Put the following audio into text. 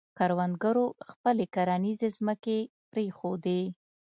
کروندګرو خپلې کرنیزې ځمکې پرېښودې.